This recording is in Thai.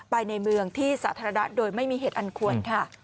ไปในเมืองที่สาธารณะโดยไม่มีเหตุอันควรค่ะ